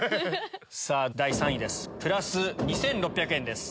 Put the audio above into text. さぁ第３位ですプラス２６００円です。